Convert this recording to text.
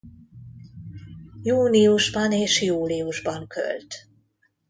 Júniusban és júliusban költ.